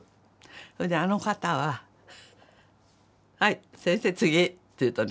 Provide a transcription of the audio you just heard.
それであの方は「はい先生次」って言うとね